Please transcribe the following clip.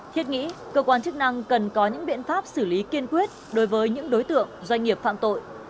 thiết nghĩ cơ quan chức năng cần có những biện pháp xử lý kiên quyết đối với những đối tượng doanh nghiệp phạm tội